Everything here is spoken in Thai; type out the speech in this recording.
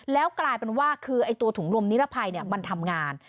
แล้วกลายเป็นว่าคือตัวถุงลมนิรภัยมันทำงาน